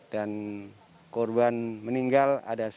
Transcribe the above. dan korban meninggal ada sepuluh